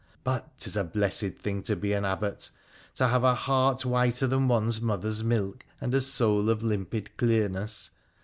But 'tis a blessed thing to be an abbot !— to have a heart whiter than one's mother's milk, and a soul oi limrid clearness.